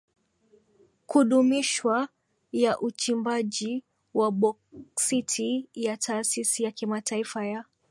Kudumishwa ya Uchimbaji wa Boksiti ya Taasisi ya Kimataifa ya